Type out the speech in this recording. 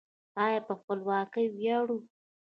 آیا په خپلواکۍ ویاړو؟